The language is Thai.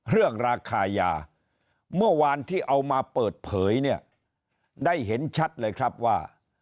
เรื่องราคายาเมื่อวานที่เอามาเปิดเผยเนี่ยได้เห็นชัดเลยครับว่า